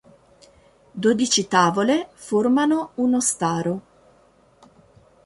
Dodici tavole formano uno staro.